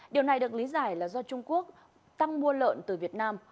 điều này được lý giải là do trung quốc tăng mua lợn từ việt nam